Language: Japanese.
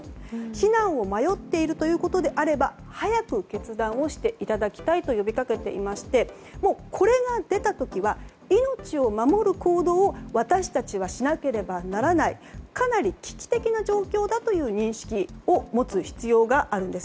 避難を迷っているということであれば早く決断をしていただきたいと呼び掛けていましてこれが出た時は、命を守る行動を私たちはしなければならないかなり危機的な状況だという認識を持つ必要があるんです。